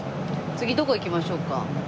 次どこ行きましょうか？